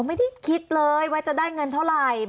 ไม่ได้คิดเลยว่าจะได้เงินเท่าไหร่